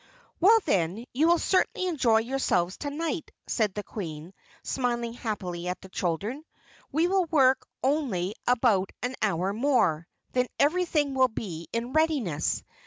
"Well, then, you will certainly enjoy yourselves tonight," said the Queen, smiling happily at the children. "We will work only about an hour more. Then everything will be in readiness.